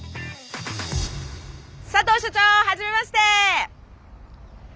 佐藤所長はじめまして！